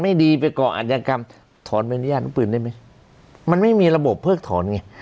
ไม่ดีไปก่ออัธยกรรมถอนใบอนุญาตุปืนได้ไหมมันไม่มีระบบเพิกถอนไง